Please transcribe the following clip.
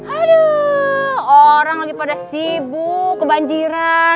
aduh orang lagi pada sibuk kebanjiran